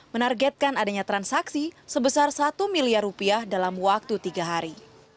menargetkan adanya transaksi sebesar satu miliar rupiah dalam waktu tiga hari